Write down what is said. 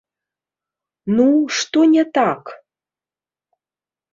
Ну, што не так?